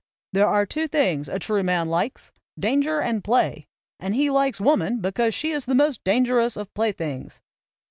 "There are two things a true man likes, danger and play; and he likes woman because she is the most danger ous of playthings."